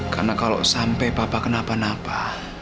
karena kalau sampai papa kenapa napa